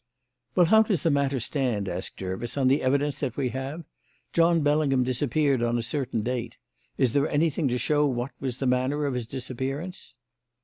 "Well, how does the matter stand," asked Jervis, "on the evidence that we have? John Bellingham disappeared on a certain date. Is there anything to show what was the manner of his disappearance?"